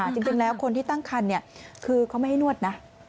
จริงแล้วคนที่ตั้งคันคือเขาไม่ให้นวดนะ